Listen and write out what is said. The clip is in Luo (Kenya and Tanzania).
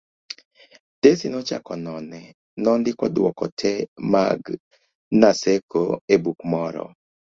Tesi nochako none, nondiko dwoko te mag Naseko e buk moro